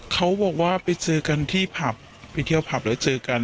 เขาบอกว่าไปเจอกันที่ผับไปเที่ยวผับแล้วเจอกัน